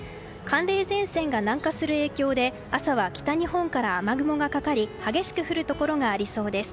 寒冷前線が南下する影響で朝は北日本から雨雲がかかり激しく降るところがありそうです。